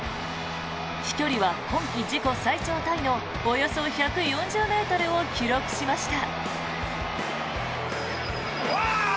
飛距離は今季自己最長タイのおよそ１４０ｍを記録しました。